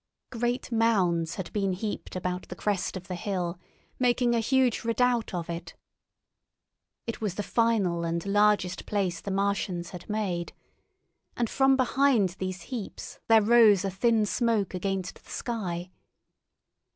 Great mounds had been heaped about the crest of the hill, making a huge redoubt of it—it was the final and largest place the Martians had made—and from behind these heaps there rose a thin smoke against the sky.